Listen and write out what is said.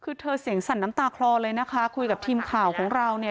คือเธอเสียงสั่นน้ำตาคลอเลยนะคะคุยกับทีมข่าวของเราเนี่ย